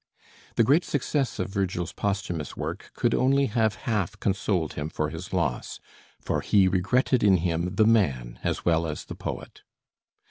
The great success of Virgil's posthumous work could only have half consoled him for his loss, for he regretted in him the man as well as the poet.